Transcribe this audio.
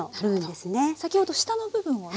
先ほど下の部分をね